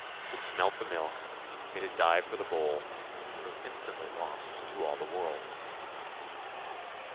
It smelt the milk, made a dive for the bowl, and was instantly lost to all the world.